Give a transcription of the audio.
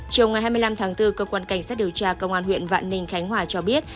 chiều ngày hai mươi năm tháng bốn cơ quan cảnh sát điều tra công an huyện vạn ninh khánh hòa cho biết